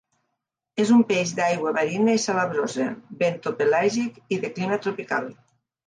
És un peix d'aigua marina i salabrosa, bentopelàgic i de clima tropical.